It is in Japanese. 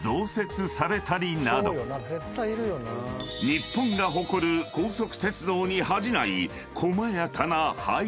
［日本が誇る高速鉄道に恥じない］